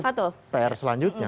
nah itu pr selanjutnya